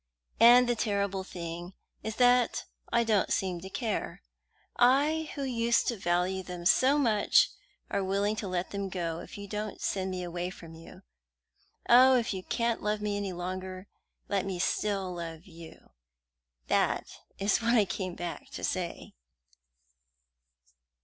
And the terrible thing is that I don't seem to care; I, who used to value them so much, am willing to let them go if you don't send me away from you. Oh, if you can't love me any longer, let me still love you! That is what I came back to say."